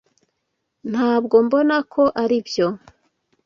Ntabwo mbona ko aribyo.